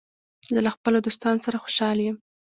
زه له خپلو دوستانو سره خوشحال یم.